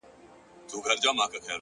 • دا ده کوچي ځوانيمرگې نجلۍ تول دی،